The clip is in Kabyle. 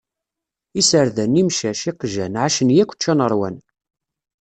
Iserdan, imcac, iqjan ; ɛacen yakk ččan ṛwan.